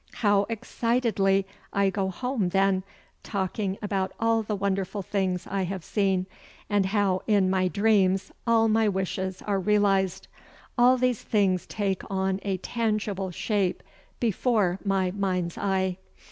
How excitedly I go home then, talking about all the wonderful things I have seen, and how in my dreams all my wishes are realized all these things take on a tangible shape before my mind's eye.